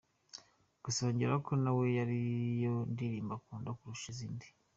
Gusa yongeraho ko nawe ari yo ndirimbo akunda kurusha izindi.